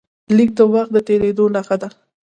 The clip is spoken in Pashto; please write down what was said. لیک د وخت د تېرېدو نښه ده.